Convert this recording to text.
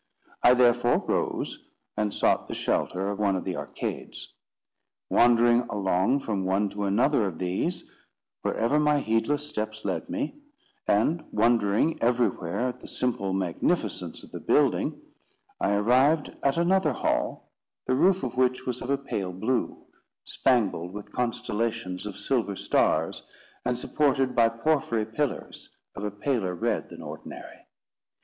I therefore rose, and sought the shelter of one of the arcades. Wandering along from one to another of these, wherever my heedless steps led me, and wondering everywhere at the simple magnificence of the building, I arrived at another hall, the roof of which was of a pale blue, spangled with constellations of silver stars, and supported by porphyry pillars of a paler red than ordinary.